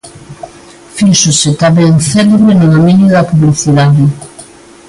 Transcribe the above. Fíxose tamén celebre no dominio da publicidade.